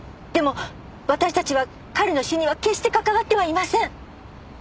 でも私たちは彼の死には決して関わってはいません！